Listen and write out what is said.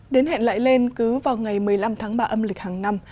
đến hẹn lại lên cứ vào ngày một mươi năm tháng ba âm lịch hàng năm